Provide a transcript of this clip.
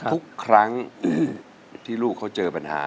ทุกครั้งที่ลูกเขาเจอปัญหา